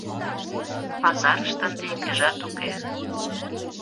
Пазарыште ынде имньыжат уке.